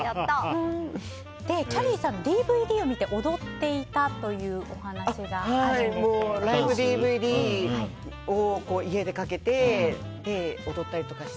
きゃりーさんのＤＶＤを見て踊っていたというライブＤＶＤを家でかけて踊ったりとかしてて。